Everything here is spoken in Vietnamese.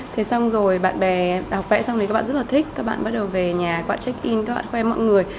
thế xong rồi bạn bè học vẽ xong thì các bạn rất là thích các bạn bắt đầu về nhà các bạn check in các bạn khoe mọi người